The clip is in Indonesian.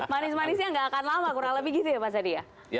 manis manisnya nggak akan lama kurang lebih gitu ya mas adi ya